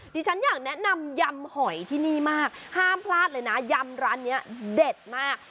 ที่ฉันอยากแนะนำยำหอยที่นี่มากห้ามพลาดเลยนะยำร้านนี้เด็ดมาก